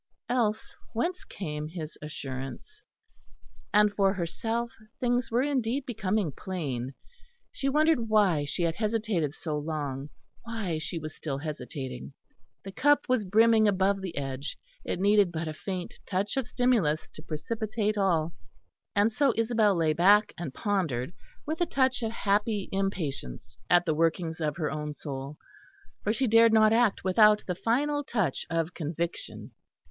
Else whence came his assurance? And, for herself, things were indeed becoming plain: she wondered why she had hesitated so long, why she was still hesitating; the cup was brimming above the edge; it needed but a faint touch of stimulus to precipitate all. And so Isabel lay back and pondered, with a touch of happy impatience at the workings of her own soul; for she dared not act without the final touch of conviction.